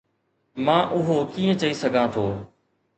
مان اهو ڪيئن چئي سگهان ٿو؟